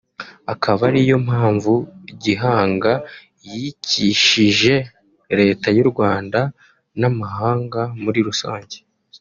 akaba ari yo mpamvu gihangayikishije Leta y’u Rwanda n’amahanga muri rusange